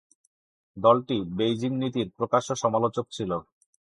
দলটি বেইজিং নীতির প্রকাশ্য সমালোচক ছিল।